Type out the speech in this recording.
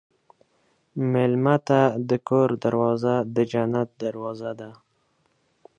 مېلمه ته د کور دروازه د جنت دروازه ده.